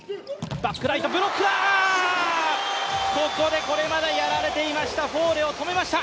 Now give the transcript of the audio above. ここでこれまでやられていましたフォーレを止めました。